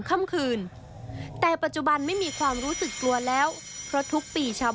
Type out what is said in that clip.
ได้นำเรื่องราวมาแชร์ในโลกโซเชียลจึงเกิดเป็นประเด็นอีกครั้ง